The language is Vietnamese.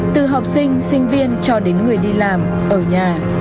từ học sinh sinh viên cho đến người đi làm ở nhà